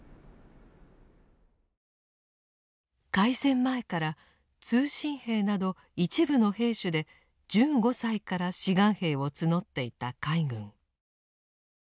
開戦前から「通信兵」など一部の兵種で１５歳から「志願兵」を募っていた海軍。